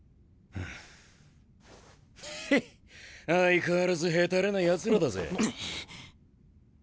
ヘッ相変わらずへたれなやつらだぜ。